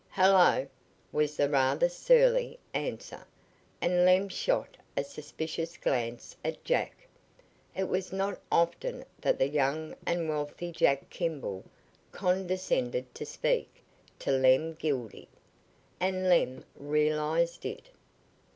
"Hello," was the rather surly answer, and Lem shot a suspicious glance at Jack. It was not often that the young and wealthy Jack Kimball condescended to speak to Lem Gildy, and Lem realized it.